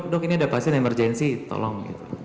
dok ini ada pasien emergensi tolong